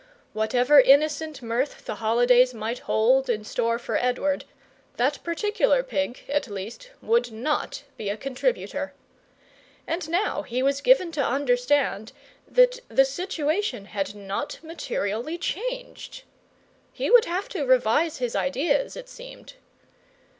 Whatever innocent mirth the holidays might hold in store for Edward, that particular pig, at least, would not be a contributor. And now he was given to understand that the situation had not materially changed! He would have to revise his ideas, it seemed.